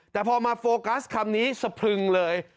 แต่พอมาโฟกัสคำนี้สะพรึงเลย